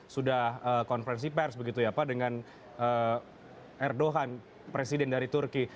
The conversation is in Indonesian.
sudah konferensi pers begitu ya pak dengan erdogan presiden dari turki